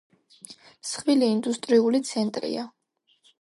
მსხვილი ინდუსტრიული ცენტრია.